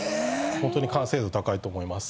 本当に完成度高いと思います